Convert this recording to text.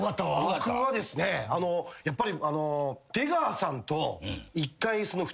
僕はですねやっぱり。